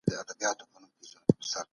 ښوونکی د زدهکوونکو شخصیت ته وده ورکوي.